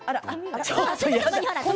あら？